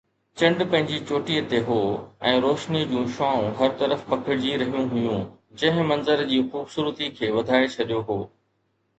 چنڊ پنهنجي چوٽيءَ تي هو ۽ روشنيءَ جون شعاعون هر طرف پکڙجي رهيون هيون، جنهن منظر جي خوبصورتي کي وڌائي ڇڏيو هو.